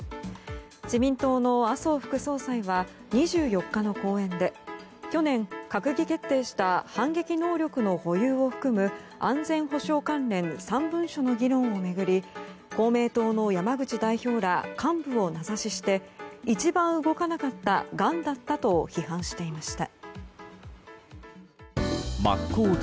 自民党の麻生副総裁は２４日の講演で去年、閣議決定した反撃能力の保有を含む安全保障関連３文書の議論を巡り公明党の山口代表ら幹部を名指しして一番動かなかったがんだったと批判していました。